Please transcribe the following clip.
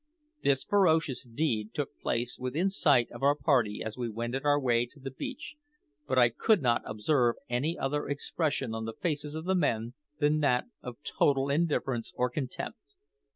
This ferocious deed took place within sight of our party as we wended our way to the beach, but I could not observe any other expression on the faces of the men than that of total indifference or contempt.